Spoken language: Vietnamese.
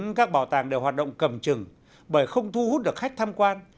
phần lớn các bảo tàng đều hoạt động cầm chừng bởi không thu hút được khách tham quan